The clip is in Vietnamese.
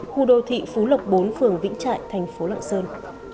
khu đô thị phú lộc bốn phường vĩnh trại thành phố lạng sơn